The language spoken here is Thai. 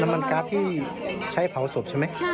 มันการ์ดที่ใช้เผาศพใช่ไหม